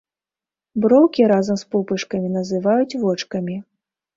Броўкі разам з пупышкамі называюць вочкамі.